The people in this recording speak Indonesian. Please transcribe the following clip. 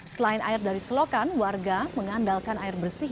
selain air dari selokan warga mengandalkan air bersih